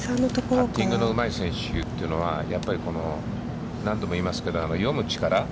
パッティングのうまい選手というのは、やっぱり何度も言いますけど、読む力。